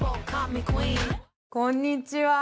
こんにちは。